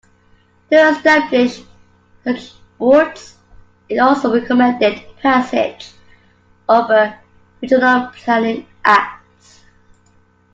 To establish such boards, it also recommended passage of a Regional Planning Act.